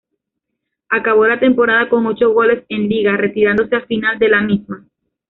Acabó la temporada con ocho goles en Liga, retirándose al final de la misma.